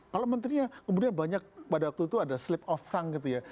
kalau menterinya kemudian banyak pada waktu itu ada sleep of fund gitu ya